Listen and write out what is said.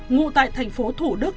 ngụ tại thành phố thủ đức